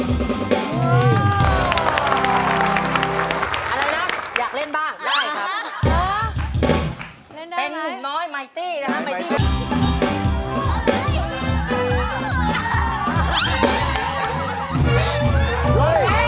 เออลงมาแล้ว